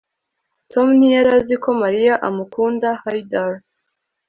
Tom ntiyari azi ko Mariya amukunda Haydar